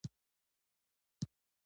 هو، ډیره زیاته